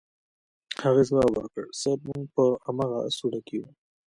هغې ځواب ورکړ صيب موږ په امغه سوړه کې يو.